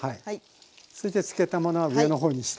そしてつけたものは上の方にして。